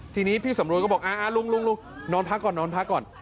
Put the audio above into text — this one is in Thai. ทีนี้พี่สำรวยก็บอกลุงนอนพักก่อน